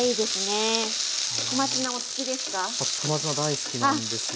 小松菜お好きですか？